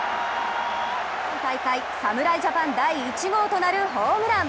今大会、侍ジャパン第１号となるホームラン。